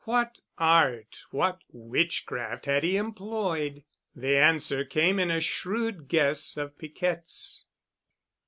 What art—what witchcraft had he employed? The answer came in a shrewd guess of Piquette's.